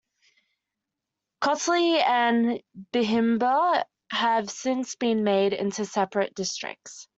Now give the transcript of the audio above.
Kotli and Bhimber have since been made into separate districts.